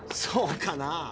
⁉そうかな？